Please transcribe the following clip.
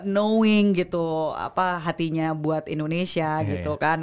knowing gitu hatinya buat indonesia gitu kan